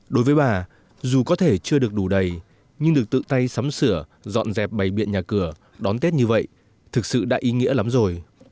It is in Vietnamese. đối với bà dù có thể chưa được đủ đầy nhưng được tự tay sắm sửa dọn dẹp bày biện nhà cửa đón tết như vậy thực sự đã ý nghĩa lắm rồi